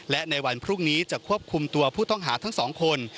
และในวันพรุ่งนี้จะควบคุมตัวผู้ต้องหาทั้งสองคน